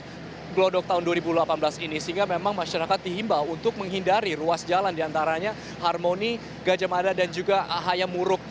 tapi kalau kita lihat di glodok dua ribu delapan belas ini sehingga memang masyarakat dihimbau untuk menghindari ruas jalan diantaranya harmony gajah mada dan juga hayam murug